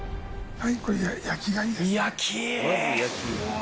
はい。